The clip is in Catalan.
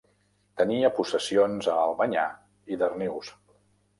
Tenia possessions a Albanyà i Darnius.